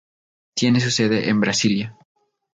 Tiene su sede en Brasilia.